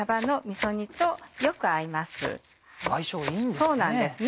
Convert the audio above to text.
そうなんですね。